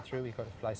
kami tidak memiliki